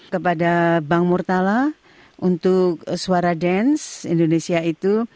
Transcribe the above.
kepada bang murtala untuk suara dance indonesia itu